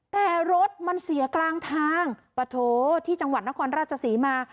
แต่รถมันเสียกลางทางปะโถที่จังหวัดนครราชศรีมา